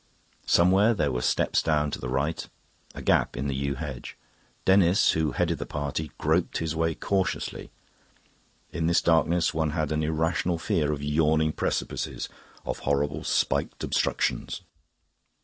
Somewhere there were steps down to the right, a gap in the yew hedge. Denis, who headed the party, groped his way cautiously; in this darkness, one had an irrational fear of yawning precipices, of horrible spiked obstructions.